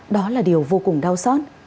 đó là điều vô cùng đau xót